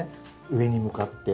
上に向かって。